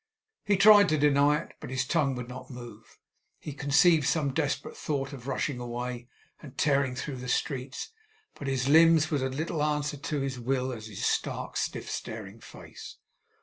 He tried to deny it, but his tongue would not move. He conceived some desperate thought of rushing away, and tearing through the streets; but his limbs would as little answer to his will as his stark, stiff staring face.